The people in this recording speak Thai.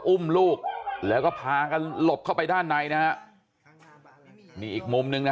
อุ้มลูกแล้วก็พากันหลบเข้าไปด้านในนะฮะนี่อีกมุมหนึ่งนะฮะ